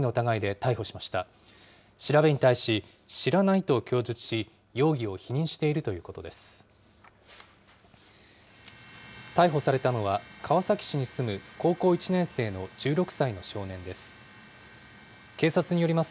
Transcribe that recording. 逮捕されたのは、川崎市に住む高校１年生の１６歳の少年です。